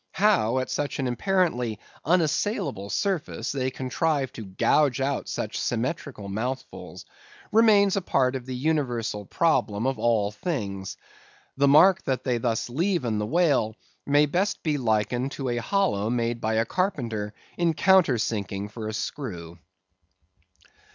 How at such an apparently unassailable surface, they contrive to gouge out such symmetrical mouthfuls, remains a part of the universal problem of all things. The mark they thus leave on the whale, may best be likened to the hollow made by a carpenter in countersinking for a screw.